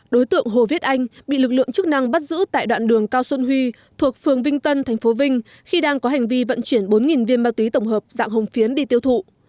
đối tượng hồ viết anh bị lực lượng chức năng bắt giữ tại đoạn đường cao xuân huy thuộc phường vinh tân tp vinh khi đang có hành vi vận chuyển bốn viên ma túy tổng hợp dạng hồng phiến đi tiêu thụ